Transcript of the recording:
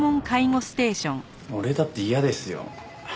俺だって嫌ですよ。